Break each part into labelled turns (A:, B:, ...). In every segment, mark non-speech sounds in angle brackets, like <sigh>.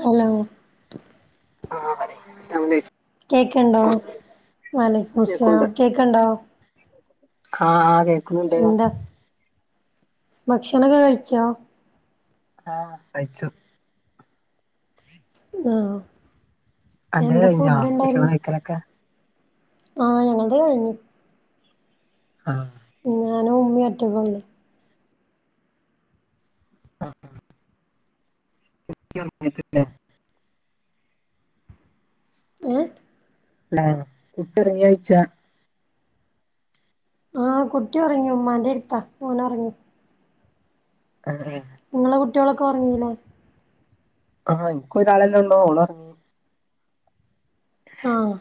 A: Hello
B: ആഹ് പറയ് അസ്സലാമു അലൈക്കും
A: കേക്ക്ണ്ടോ വഅലൈക്കുമുസ്സലാം കേക്ക്ണ്ടോ
B: ആഹ് ആഹ് കേൾക്കുണുണ്ട്
A: എന്താ ഭക്ഷണൊക്കെ കഴിച്ചോ?
B: ആഹ് കയിച്ചു
A: ആഹ് എന്താ ഫുഡ് ഇണ്ടായിരു
B: കലക്ക
A: ആഹ് ഞങ്ങളത് കഴിഞ്ഞു
B: ആഹ്
A: ഞാനും ഉമ്മീം ഒറ്റക്കുള്ളു
B: <unintelligible>
A: ഏഹ്
B: ആഹ് കുട്ടി ഉറങ്ങിയോഴ്ച്ച
A: ആഹ് കുട്ടി ഉറങ്ങി ഉമ്മാന്റെ എരുത്താ ഓൻ ഒറങ്ങി
B: ആ
A: ങ്ങളെ കുട്ടികളൊക്കെ ഉറങ്ങീലോ
B: ആഹ് എനിക്ക് ഒരാളല്ലോ ഓള് ഒറങ്ങി
A: ആഹ്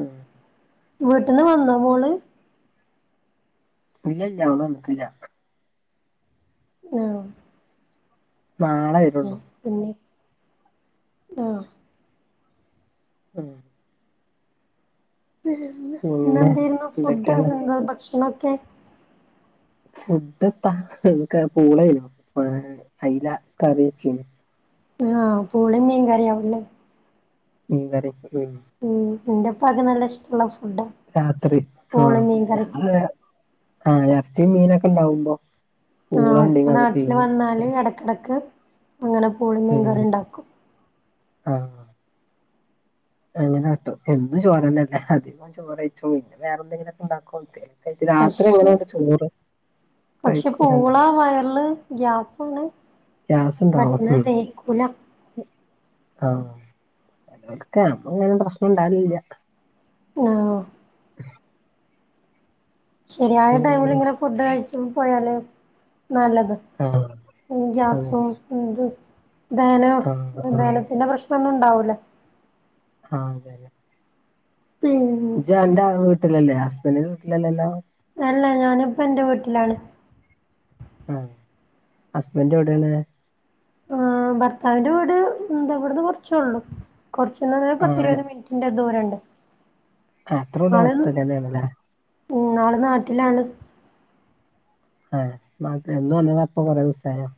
B: ഉം
A: വീട്ട്ന്ന് വന്നോ മോള്
B: ഇല്ല ഇല്ല അവള് നിക്ക്ല്ല
A: ആഹ്
B: നാളെ
A: ആഹ്
B: വരുള്ളൂ
A: പിന്നെ ആഹ്
B: ഉം പിന്നെ
A: ഇന്നന്തയിരുന്നു ഫുഡ്.
B: എന്തൊക്കെയാണ്
A: ഭക്ഷണക്കെ
B: ഫുഡ്പ ഞങ്ങക്ക് പൂളേയ്ന്നു. അയ്ല കറി വെച്ചീന്നു
A: ആഹ് പൂള മീൻ കറിയവുല്ലെ
B: മീൻ കറിയൊക്കെ കഴിഞ്ഞു
A: ഉം എന്റെപ്പാക്ക് നല്ല ഇഷ്ട്ടള്ള ഫുഡാണ്
B: രാത്രി ആഹ് ഞങ്ങള് എറച്ചീ മീനൊക്കെ ഉണ്ടാവുമ്പോ
A: ആഹ്
B: പൂളണ്ടെങ്കി
A: ഉപ്പ
B: അത്
A: നാട്ടിൽ
B: പിഴിയും
A: വന്നാല് എടക്കെടക്ക് അങ്ങനെ പൂളിം മീങ്കറി ഉണ്ടാക്കും
B: ആഹ് അങ്ങനെ കാട്ടും എന്നും ചോറന്നല്ല അധിക ചോറ് വയ്ച്ചും പിന്നെ വേറെ എന്തെങ്കിലൊക്കെ ഉണ്ടാകും <unintelligible>
A: പക്ഷെ
B: രാത്രി <unintelligible> ചോറ് കഴിക്കില്ലല്ലോ?
A: ആഹ് വയറില് ഗ്യാസാണ് പെട്ടന്ന് ദഹിക്കൂല
B: ആഹ് <unintelligible> ഇങ്ങനെ ഒന്നും പ്രശ്നം ഉണ്ടാവലില്ല
A: ആഹ് ശരിയായ ടൈമിൽ
B: ഉം.
A: ഇങ്ങനെ ഫുഡ് കഴിച്ച് പോയാല് നല്ലത്
B: ആഹ്
A: ഗ്യാസും ദഹന
B: ആ ആ
A: ദഹനത്തിന്റെ പ്രശ്നൊന്നും ഉണ്ടാവൂലെ
B: ആഹ് അതെ അതെ
A: പിന്നെ
B: ജന്റെ വീട്ടിലല്ലേ ഹസ്ബൻഡന്റിന്റെ വീട്ടിലല്ലല്ലോ?
A: അല്ല ഞാനിപ്പോ എന്റെ വീട്ടിലാണ്
B: ആഹ് ഹസ്ബൻഡ് എവിടെണ്
A: ആ ഭർത്താവിന്റെ വീട് ന്താ ഇവിടുന്ന് കുറച്ചേ ഉള്ളൂ കുറച്ചൊന്നു പറഞ്ഞാൽ
B: ആ
A: പത്തിരുപത് മിനിറ്റ് ന്റെ ദൂരമുണ്ട്
B: അത്രുല്ലെ അടുത്തല്ലല്ലെ പിന്നെ.
A: ന്നാള് നാട്ടിലാണ്.
B: ആഹ് എന്ന് വന്നതാ പ്പ കെറെദീസായൊ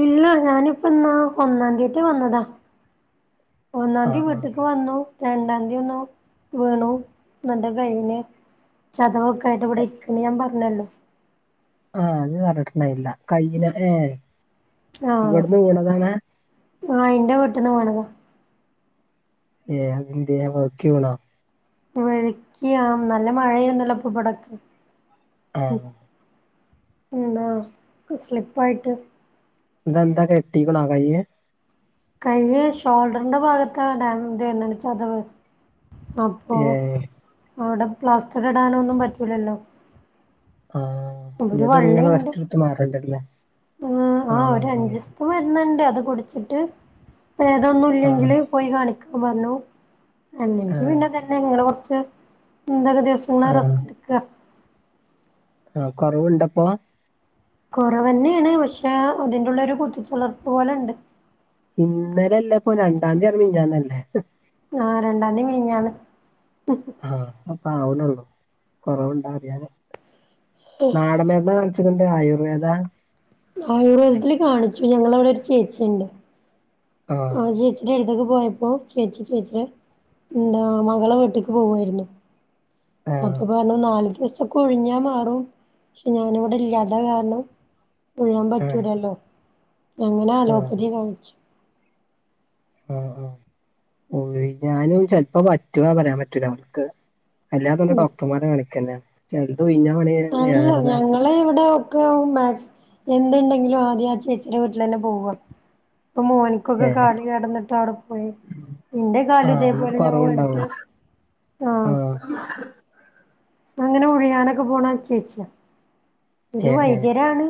A: ഇല്ല ഞാനിപ്പെന്നാ ഒന്നാന്തിയതി വന്നതാ..
B: ആ
A: ഒന്നാന്തി
B: ആ
A: വീട്ട്ക്ക് വന്നു. രണ്ടാന്തിയെന്നു വീണു ന്നട്ട് കയ്ഞ്ഞ് ചതവെക്ക ടെട്ട ഇവിടെരിക്ക്ണ്ട് ഞാ പർഞ്ഞല്ലോ.
B: ആഹ് അന്ന് പറഞ്ട്ട്ണ്ടായിന്നീല കയ്യിന് വെ
A: ആഹ് ആ യിന്റെ വീട്ട്ന്ന് പേണതാ.
B: ഏ അതെന്തൃ വൗക്കി വീണേ
A: ഓ വാഴകൃം നല്ല മഴപെയ്യ്ണ്ടല്ലോ ഇവിടെക്കെ.
B: ആ
A: ന്താ ക്ക് സ്ലിപ്പായിട്ട്.
B: ന്താ കെട്ടികുണേ കൈയ്യ്.
A: കൈയ്യ് ഷോൾഡറിന്റെ ഭാഗത്താ ഡയ് ത് വെര്ന്നത് ചതവ്. പ്പോ
B: ഏ
A: അവ്ടെ പ്ലാസ്റ്ററിടാനേന്നും പറ്റൂലല്ലോ.
B: ആഹ്
A: ഒരു
B: ഞത് ങ്ങനെ
A: വള്ളിണ്ട്
B: റെസ്റ്റ് എടുത്ത് മാറണ്ടെരൂലെ ആഹ് വെ
A: പ്പ മര്ന്ന്ണ്ട് അതുകുടിച്ചിട്ട്.
B: ആ
A: പെതൊന്നുല്ലെങ്കില് പോയി കാണിക്കാൻ പറഞ്ഞു.
B: ആ
A: അല്ലെങ്കി പിന്നെ തന്നെ ഇങ്ങനെ കൊറച്ച് <unintelligible> ദിവസങ്ങള്
B: ആ
A: റസ്റ്റ് എടുക്കുക
B: ആഹ് കൊറവ്ണ്ടപ്പോ.
A: കെറവെന്നെണ് പഷെ ഇതിൻ്റുള്ളെരൂ കുത്തിച്ചുള്ളർപ്പ് പോലെണ്ട്.
B: ഇന്നലെല്ലപ്പൊ, രണ്ടാന്തിയാണ്. മിഞ്ഞാന്നല്ലെ.
A: ആ രണ്ടാന്തി മിഞ്ഞാന്ന്
B: ആഹ് അപ്പാവ്ണെള്ളു കൊറവ്ണ്ടാദൃനെ നാടമരിന്ന് കാണി ഛനുന്താ ആയുർവേദ.
A: ആയുർവേദത്തില് കാണിച്ചു ഞങ്ങളവിടെരു, ചേച്ചിണ്ട്.
B: ആഹ്
A: ആ ചേച്ചിടെ ട്ത്ത്ക്ക് പോയപ്പോ. ചേച്ചി ചേച്ചിടെ, ന്താ മകളെ വീട്ട്ക്ക്, പോവായിരുന്നു.
B: ആ
A: <unintelligible> പറഞ്ഞു നാല് ദിവസൊക്കെ ഉഴിഞ്ഞാ മാറും പഷെ ഞാനിവിടെ ഇല്ലാത്ത കാരണം. ഉഴാൻ
B: ആ
A: പറ്റൂലല്ലോ അങ്ങനെ അലോപ്പതീ കണിച്ചു.
B: ആഹ് ആഹ് ഓഴിഞാനും ചെൽപ്പോ പറ്റുവോ പറയാൻ പറ്റൂല വർക്ക്. അല്ലാതെന്ന് ഡോക്ടർമാരെ കളിക്കെന്നെ ചെൽത് ഉഴിഞ്ഞാവാണങ്കി ഏറെലാ.
A: ളെ ഇവിടെക്കെ മാക്സ് എന്തുണ്ടെങ്കിലും ആദ്യം ആ ചേച്ചിടെ വീട്ടിലെന്നെ പോവാ. പ്പ മേന് ഇകെക്കെ
B: ഏ
A: കാല് കെടന്നിട്ട് അവ്ടെ പോയി ന്റെ
B: ആ എന്നിട്ട്
A: കാലുതേപോലെ ഞാ വീൺട്ട്. ആഹ്
B: മാ...
A: ത്ഇങ്ങനെ ഉഴിയാനൊക്കെ പോണ ചേച്ചിയാ. ഒരു
B: ഏഹ് ഏ
A: വൈദ്യരാണ്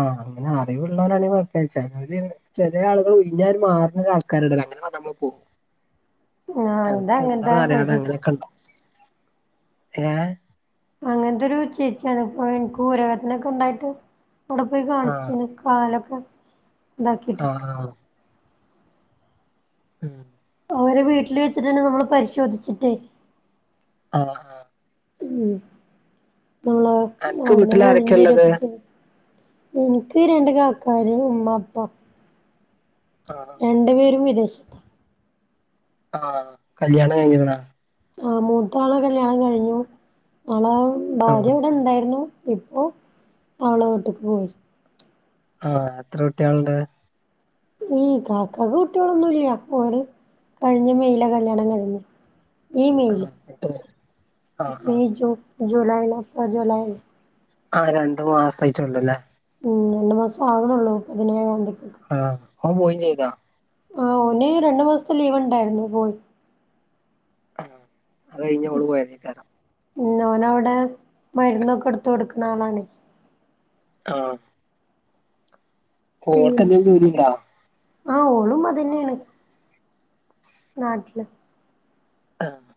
B: ആ അങ്ങനെ അറിവുള്ളേരാണെങ്കി കെയപ്പ ചെലേര്. ചെലേ ആളുകൾ ഉഴിഞ്ഞാഒരു മാർണ ആൾക്കാരുണ്ടല്ലേ അങ്ങനൊ നമ്മൾ പോവും.
A: ഞാൻ <unintelligible>
B: ഏഹ്
A: അങ്ങൻത്തെരു ചേച്ചിയാണ് പ്പോ ൻക്ക് ഊരവെദക്കെണ്ടായിട്ട് അവടെ പോയി
B: ആ
A: കാണിച്ചീന്ന്ക് പകാലൊക്കെ
B: ആ
A: താക്കീട്ട്.
B: ആ ഉം
A: ഓരെ വീട്ടില് വെച്ചിട്ടെന്നെ നമ്മള് പരിശോധിച്ചിട്ടേ.
B: ആഹ്
A: ഉം പ്പള്ളേ
B: അനക്ക് വീട്ടിൽ
A: അവിട്ന്നന്നെ
B: ആരൊക്കെ ഉള്ളത്
A: ഉഴിഞ്ഞെരെക്കെ ചെയ്യും. ഇൻക്ക് രണ്ട് കാക്കാര് ഉമ്മ ഉപ്പം
B: ആഹാ
A: രണ്ട് പേരും വിദേശ
B: ആഹ്, കല്യാണം കഴിഞ്ഞിക്ണ?
A: ആഹ് മൂത്ത ആളെ കല്യാണം കഴിഞ്ഞു, ആളെ
B: ആ
A: ഭാര്യ എവിടെ ഉണ്ടായിരുന്നു. ഇപ്പോ ഓളെ വീട്ട്ക്ക് പോയി.
B: ആഹ് എത്ര കുട്ട്യാളണ്ട്?
A: ഉം താത്താക്ക് കുട്ടികളൊന്നുംല്ല അപ്പോര് കഴിഞ്ഞ മെയില കല്യാണം കഴിഞ്ഞെ ഈ
B: ആ
A: മൈല്,
B: പത്ത് പേര്. ആ ആ
A: ഈ ജൂൺ ജൂലൈല് ഒരു കൊലയി
B: ആഹ് രണ്ടു മാസ ആട്ടള്ളു അല്ലേ?
A: ഉം, രണ്ടു മാസം ആകണള്ളൂ പതിനേഴാംന്തികേക്.
B: ആഹ് ഓൻ പോയി ചെയ്യ്തോ
A: ആഹ്, ഒന് രണ്ടു മാസത്തെ ലീവ് ഉണ്ടായിരുന്നു, പോയി.
B: ആഹ് അത് കഴഞ്ഞ ഓള് പോയതയ്ക്കാരം?
A: ഇഓനവിടെ മരുന്നൊക്കെ എടുത്ത കൊടുക്കണ ആളാണ്.
B: ആഹ് ഓൾക്കെന്തേലും ജോലി ഉണ്ടോ?
A: ആഹ്, ഓളും അതന്നെണ്. നാട്ടിലാ
B: ആഹ്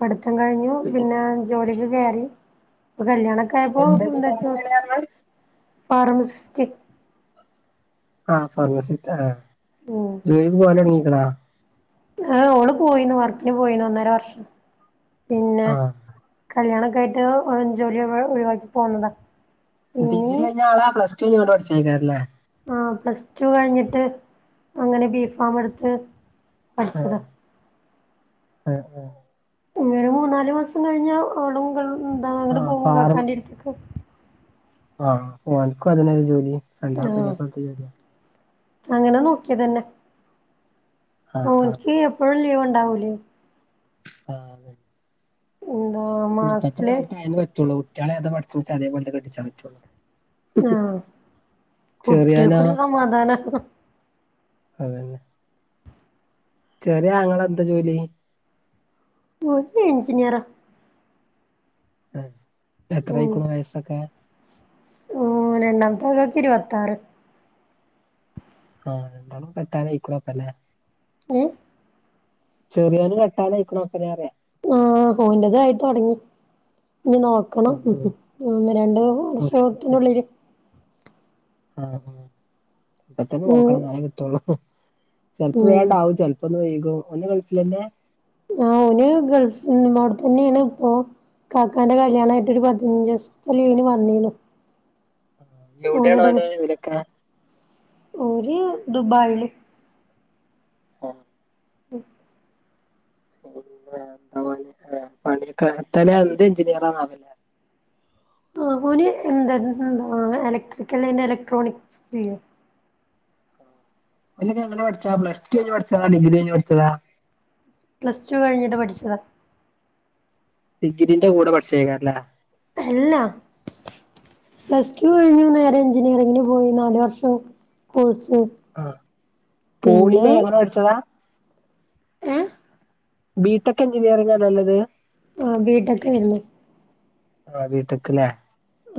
A: പഠിത്തം കഴിഞ്ഞു, പിന്നെ ജോലിക്ക് കയറി. പ്പ കല്യാണ കപ്പോൾ
B: എന്തടി
A: എന്ത
B: എന്ത്
A: ജോ
B: പണിയാ പറഞ്ഞത്?
A: ഫാർമസിസ്റ്റിക്.
B: ആ ഫർമസി സ്റ്റാആ
A: ഉം
B: ജോലിക്ക്, പോകലെടങ്ങിക്ക്ണോ
A: ആ് ഓള് പോയിനു വർക്കിന് പോയിനു, ഒന്നര വർഷം. പിന്നെ..
B: ആ
A: കല്യാണൊക്കെ ആയിട്ട് ജോലി ഒഴിവാക്കി പോന്നതാ.
B: ഡിഗ്രി
A: ഇനി
B: കഴിഞ്ഞാള പ്ലസ് ടു ഞങ്ങോ പഠിച്ചേക്കാല്ലേ.
A: ആഹ്പ്ലസ് ടു കഴിഞ്ഞിട്ട് അങ്ങനെ ബീഫാമ് എടുത്ത്... പഠിച്ചതാ
B: ആഹ് ആഹ്ആ. ഹ്
A: ഇനിയൊരു മൂന്നാല് മാസം കഴിഞ്ഞാ ഓളുംപോവും
B: ആ
A: അങ്ങ പോകും കാക്കാൻ്റെട്ത്ത്ക്ക്.
B: ആഹ്, ഓനക്കും അതെന്നെല്ലെ ജോലി, രണ്ടാ
A: ആ
B: <unintelligible> ജോലിയ..
A: അങ്ങനെ നോക്കിയതന്നെ,
B: ആ ആ
A: ഓന്ക്ക് എപ്പോഴും ലീവ് ഉണ്ടാവൂലേ?
B: ആഹ്.
A: എന്താ
B: ഇപ്പത്തെ
A: മാസത്തില്
B: കാലത്ത് അതിനന് പറ്റുള്ളൂ കുട്ടികളെ അത പഠിച്ചിച്ചേ അതേപലെ കട്ടിച്ചാേ പറ്റുള്ളൂ.
A: ആഹ്
B: ചെറിയോനാ?
A: <unintelligible>
B: അതെന്നെ ചെറിയ ആങ്ങള എന്താ ജോലി?
A: ഓന് എ ഞ്ചിനിയറ. ഉം
B: അഎത്രായിക്കണും വയസ്സൊക്കെ?
A: രണ്ടാമത്തെ കാക്കാക് ഇരുപത്താറ്.
B: ആഹ്, രണ്ടാളും കെട്ടാനായികണപോ ലെ?
A: ഏഹ്
B: ചെറിയോനും കെട്ടാനായികണ് അവല്ലേ
A: ആഹ്ഓ ന്റതും ആയിത്തൊടങ്ങി, ഇനി നോ ക്കണം,
B: ഉം ഉം
A: ഒന്ന് രണ്ട്
B: ഉം
A: വർഷത്തിന്റെ ഉള്ളിൽ.
B: ആഹ് ആ, ഇപ്പത്തന്നെ
A: ഉം
B: നോക്കണം ഇന്നാലേ കിട്ടുള്ളൂ, ചെലപ്പോ
A: ഉം
B: വേണ്ടാവും. ച പ്പൊന്ന് വൈകും, ഓനും ഗൾഫിലെന്നെ?
A: ആ, ഹ് ഓന് ഗൾഫ് അവിടെ തന്നെയാണ് ഇപ്പൊ... ഇകാക്കാന്റെ കല്യാണമായിട്ട് ഒരു പതിനഞ്ചീസ് ത്ത ലീവിന് വന്നീനു.
B: ആ, എവിടെയാണ് ഓന
A: ഓന്ന്ട്ട്
B: ക്കവിരക്ക?
A: ഓര് ദുബായില്.
B: അ..
A: <unintelligible>
B: <unintelligible> പണിട്ക്കാനത്തല എന്തൻഞ്ചിയാറാണല്ലെ
A: ആ ഓന് എന്തൽ എന്താ ഇലക്ട്രിക്കൽ കയ്ഞ്ഞ് ഇലക്ട്രോണിക് ചെയ്യാ
B: ഓലൊക്കെ എങ്ങനെ പഠിച്ചാതാ പ്ലസ് ടു കയ്ഞ്ഞ് പഠിച്ചാ ഡിഗ്രി കയ്ഞ്ഞ് പഠിച്ചതാ
A: പ്ലസ് ടു കഴിഞ്ഞിട്ട് പഠിച്ചതാ
B: ഡിഗ്രിൻ്റെ കൂടെ പഠിച്ചതേക്കാരല്ലേ
A: അല്ല പ്ലസ് ടു കഴിഞ്ഞു നേരെ എഞ്ചിനീയറിംഗിന് പോയി നാലു വർഷം കോഴ്സ്
B: ആ
A: പിന്നെ
B: പോളിലെ എങ്ങന പഠിച്ചതാ
A: ഏഹ്
B: ബിടെക് എഞ്ചിനീയറിംഗന്നല്ലെത്
A: ആ ബിടെക്ക്യാരിന്നു
B: ആ ബിടെകലെ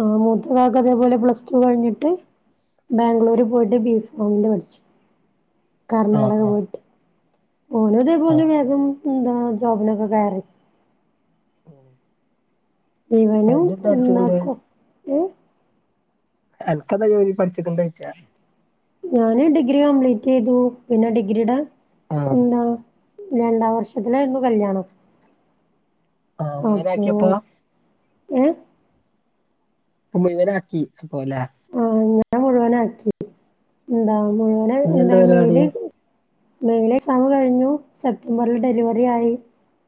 A: ആ മൂത്തകാക്ക അതേപോലെ പ്ലസ് ടു കഴിഞ്ഞിട്ട് ബാംഗ്ലൂര് പോയിട്ട് ബീഫ് ഫാമിൻ്റെ പഠിച്ച്
B: ആ
A: കർണാടക
B: ആ
A: പോയിട്ട്
B: ആ
A: ഓന്യതേപോലെ വേഗം എന്താ ജോബിനൊക്കെ കയറി
B: ആ.
A: ഇവനും
B: ഇജ്ജെന്താ പഠിച്ചുകൊണ്ട്
A: ഇന്നക്കൊക്കെ
B: അൻക്കെന്താ ജോലി പഠിച്ചിക്കാണ്ടോയ്ച്ചാ
A: ഞാന് ഡിഗ്രി കംപ്ലീറ്റ് ചെയ്തു പിന്നെ ഡിഗ്രീടെ
B: ആ
A: എന്താ രണ്ടാം വർഷത്തിലായിരുന്നു കല്യാണം
B: ആ അങ്ങനെ
A: അപ്പോ
B: ആക്കിയപ്പോ
A: ഏഹ്
B: അപ്പൊ മുയുവനാക്കി ഇപ്പോലെ
A: ആഹ് ഞാൻ മുഴുവനാക്കി എന്താ മുഴുവന്
B: ഇനി
A: എന്താ
B: പരിപാടി
A: മൈയില് മൈയില് എക്സാമ് കഴിഞ്ഞു സെപ്റ്റംബറിൽ ഡെലിവറി ആയി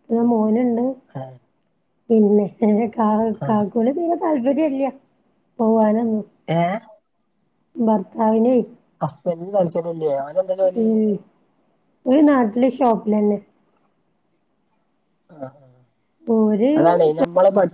A: പിന്നെ മോന്ണ്ട്
B: ആഹ്
A: പിന്നെ ഏഹ് കാ കാക്കൂന് തീരെ താല്പര്യല്ല പോവാനൊന്നും
B: ഏഹ്
A: ഭർത്താവിനെയ്
B: ഹസ്ബൻ്റിന് താല്പര്യമില്ലേ വൻ
A: ഊം ഞാൻ നാട്ടിലെ ഷോപ്പിലെന്നെ
B: ആഹ്
A: ഓര് സ